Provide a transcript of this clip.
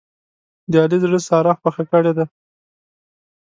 د علي زړه ساره خوښه کړې ده.